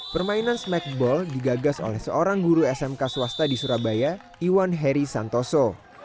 permainan smackball digagas oleh seorang guru smk swasta di surabaya iwan heri santoso